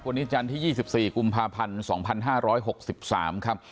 วันนี้จันทร์ที่๒๔กุมภาพันธ์๒๕๖๓ครับ